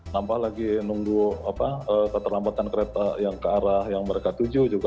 nampak lagi nunggu keterlambatan kereta yang ke arah yang mereka tuju juga